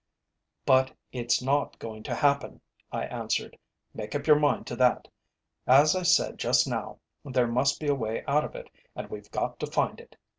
"But it's not going to happen," I answered. "Make up your mind to that. As I said just now, there must be a way out of it, and we've got to find it.